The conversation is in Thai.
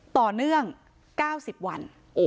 ต่อเนื่อง๙๐วัน